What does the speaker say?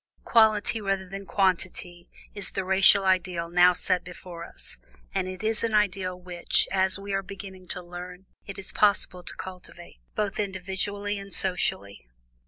Quality rather than quantity is the racial ideal now set before us, and it is an ideal which, as we are beginning to learn, it is possible to cultivate, both individually and socially.